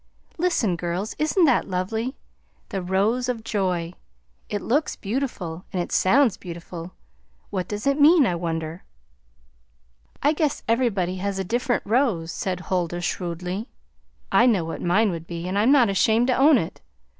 Listen, girls; isn't that lovely? The Rose of Joy. It looks beautiful, and it sounds beautiful. What does it mean, I wonder?" "I guess everybody has a different rose," said Huldah shrewdly. "I know what mine would be, and I'm not ashamed to own it.